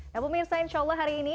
ya bumirsa insya allah hari ini